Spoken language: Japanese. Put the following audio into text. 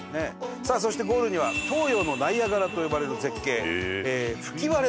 さあそしてゴールには東洋のナイアガラと呼ばれる絶景吹割の滝。